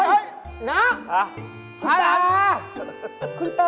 เฮ้ยน้องคุณตาคุณตา